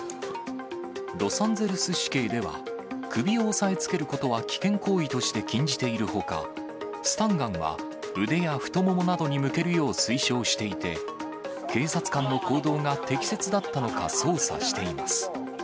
ロサンゼルス市警では、首を押さえつけることは危険行為として禁じているほか、スタンガンは腕や太ももなどに向けるよう推奨していて、警察官の行動が適切だったのか捜査しています。